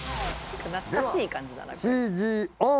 懐かしい感じだなこれ。